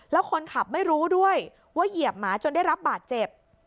แล้วคนขับไม่รู้ด้วยว่าเหยียบหมาจนได้รับบาดเจ็บ